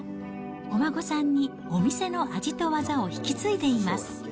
お孫さんにお店の味と技を引き継いでいます。